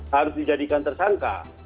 harus dijadikan tersangka